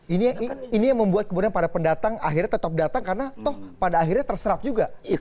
ini yang membuat kemudian para pendatang akhirnya tetap datang karena toh pada akhirnya terserap juga